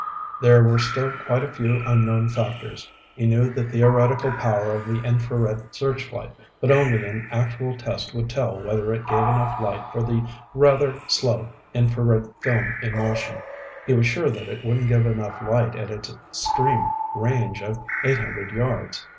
There were still quite a few unknown factors. He knew the theoretical power of the infrared searchlight, but only an actual test would tell whether it gave enough light for the rather slow infrared film emulsion. He was sure that it wouldn't give enough light at its extreme range of eight hundred yards.